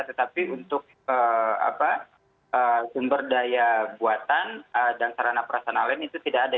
tetapi untuk sumber daya buatan dan sarana perasana lain itu tidak ada